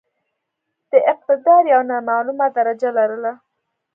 د اقتدار یو نامعموله درجه لرله.